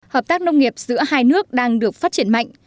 hợp tác nông nghiệp giữa hai nước đang được phát triển mạnh